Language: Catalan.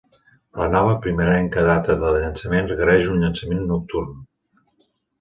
La nova, primerenca data de llançament requereix un llançament nocturn.